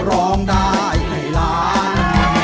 ร้องได้ให้ล้าน